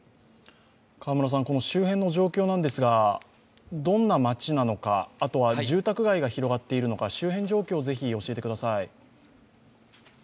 周辺の状況なんですがどんな町なのか、あとは住宅街が広がっているのか、周辺状況を教えてください。